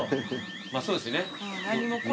まあそうですよね。